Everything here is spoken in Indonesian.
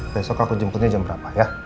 besok aku jemputnya jam berapa ya